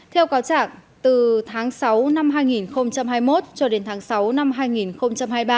theo cáo trạng từ tháng sáu năm hai nghìn hai mươi một cho đến tháng sáu năm hai nghìn hai mươi ba